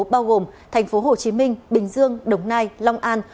bao gồm thành phố hồ chí minh bình dương đồng nai long an